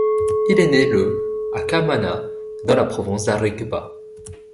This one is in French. Il est né le à Camanà dans la province d'Arequipa.